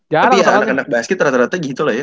tapi anak anak basket rata rata gitu lah ya